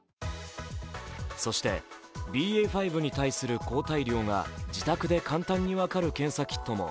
そして、ＢＡ．５に対する抗体量が自宅で簡単に分かる検査キットも